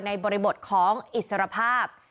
บริบทของอิสรภาพ